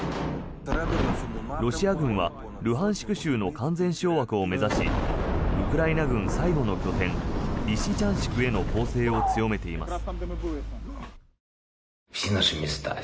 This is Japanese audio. ロシア軍はルハンシク州の完全掌握を目指しウクライナ軍最後の拠点リシチャンシクへの攻勢を強めています。